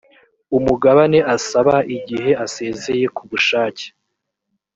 umugabane asaba igihe asezeye ku bushake